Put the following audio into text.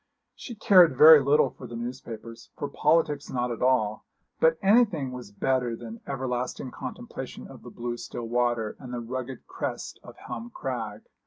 She cared very little for the newspapers, for politics not at all; but anything was better than everlasting contemplation of the blue still water, and the rugged crest of Helm Crag.